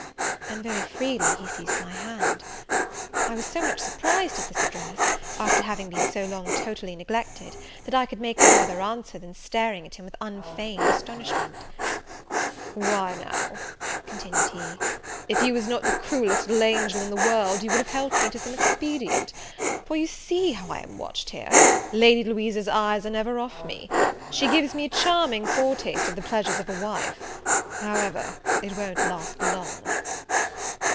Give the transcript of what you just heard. And very freely he seized my hand. I was so much surprised at this address, after having been so long totally neglected, that I could make no other answer, than staring at him with unfeigned astonishment. "Why now," continued he, "if you was not the cruellest little angel in the world, you would have helped me to some expedient: for you see how I am watched here; Lady Louisa's eyes are never off me. She gives me a charming foretaste of the pleasures of a wife! However, it won't last long."